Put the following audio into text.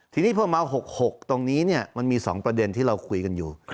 ทีนี้พวกเรามาหกตรงนี้เนี่ยมันมีสองประเด็นที่เราคุยกันอยู่